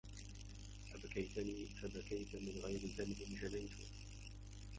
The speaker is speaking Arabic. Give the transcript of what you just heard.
أبكيتني فبكيت من غير ذنب جنيت